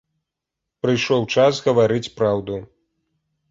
Прыйшоў час гаварыць праўду.